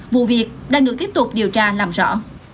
vụ việc đang được tiếp tục điều tra làm rõ